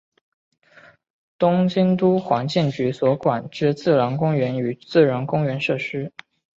东京都环境局所管之自然公园与自然公园设施。